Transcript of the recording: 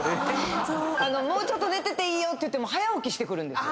もうちょっと寝てていいよって言っても早起きしてくる。